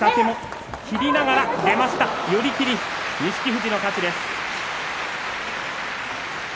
富士の勝ちです。